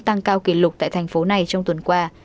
tăng cao kỷ lục tại thành phố này trong tuần qua